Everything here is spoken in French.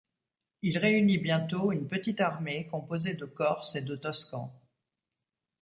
Il réunit bientôt une petite armée composée de Corses et de Toscans.